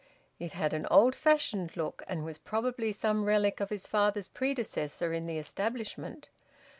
It had an old fashioned look, and was probably some relic of his father's predecessor in the establishment.